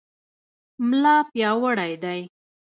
ملا پیاوړی دی.